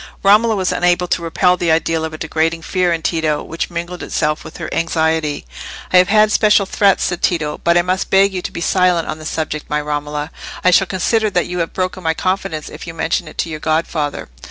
Romola was unable to repel the idea of a degrading fear in Tito, which mingled itself with her anxiety. "I have had special threats," said Tito, "but I must beg you to be silent on the subject, my Romola. I shall consider that you have broken my confidence, if you mention it to your godfather."